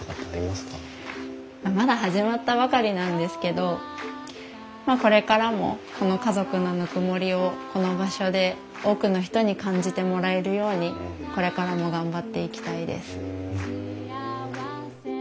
まだ始まったばかりなんですけどこれからもこの家族のぬくもりをこの場所で多くの人に感じてもらえるようにこれからも頑張っていきたいです。